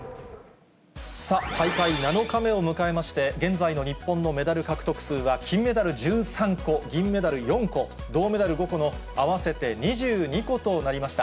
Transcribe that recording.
大会７日目を迎えまして、現在の日本のメダル獲得数は、金メダル１３個、銀メダル４個、銅メダル５個の合わせて２２個となりました。